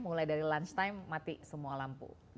mulai dari lunch time mati semua lampu